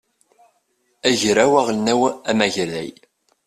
agraw aɣelnaw amagday